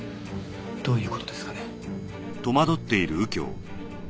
どういう事ですかね？